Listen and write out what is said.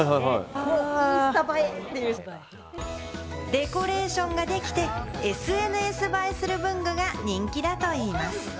デコレーションができて、ＳＮＳ映えする文具が人気だといいます。